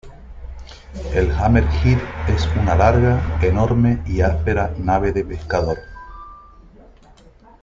El Hammerhead es una larga, enorme y áspera nave de pescador.